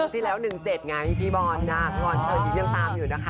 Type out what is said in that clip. ที่แล้ว๑๗ไงพี่บอลพี่บอลเชิญยิ้มยังตามอยู่นะคะ